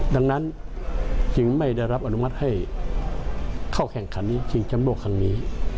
ดังนั้นจึงไม่ได้รับอนุมัติให้เข้าแข่งขันชิงแชมป์โลกครั้งนี้